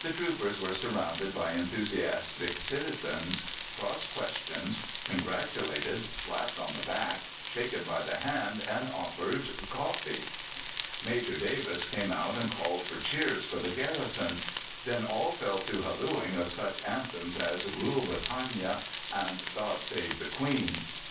The troopers were surrounded by enthusiastic citizens, cross questioned, congratulated, slapped on the back, shaken by the hand, and offered coffee! Major Davis came out and called for cheers for the garrison; then all fell to hallooing of such anthems as "Rule Britannia" and "God save the Queen."